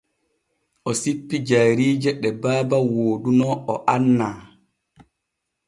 O sippi jayriije ɗe baaba wooduno o annaa.